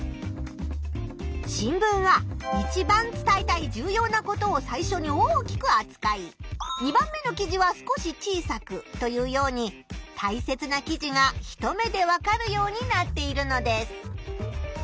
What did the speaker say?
新聞はいちばん伝えたい重要なことを最初に大きくあつかい２番目の記事は少し小さくというようにたいせつな記事が一目でわかるようになっているのです。